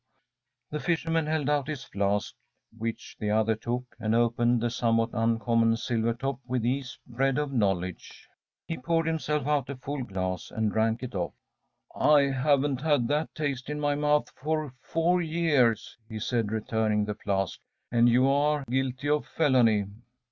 ‚ÄĚ The fisherman held out his flask, which the other took, and opened the somewhat uncommon silver top with ease bred of knowledge. He poured himself out a full glass and drank it off. “I haven't had that taste in my mouth for four years,‚ÄĚ he said, returning the flask. “And you are guilty of felony!